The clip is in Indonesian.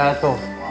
wa alaikum salam